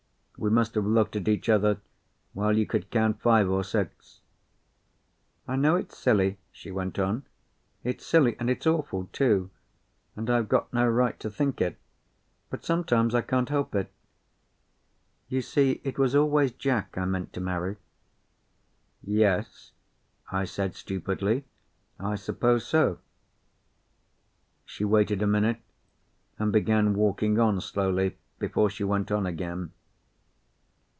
We must have looked at each other while you could count five or six. "I know it's silly," she went on, "it's silly, and it's awful, too, and I have got no right to think it, but sometimes I can't help it. You see it was always Jack I meant to marry." "Yes," I said stupidly, "I suppose so." She waited a minute, and began walking on slowly before she went on again.